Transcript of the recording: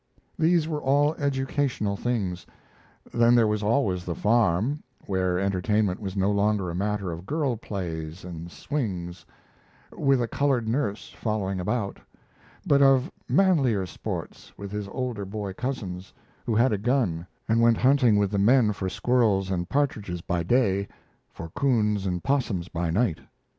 These were all educational things; then there was always the farm, where entertainment was no longer a matter of girl plays and swings, with a colored nurse following about, but of manlier sports with his older boy cousins, who had a gun and went hunting with the men for squirrels and partridges by day, for coons and possums by night.